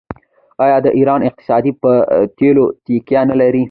آیا د ایران اقتصاد په تیلو تکیه نلري؟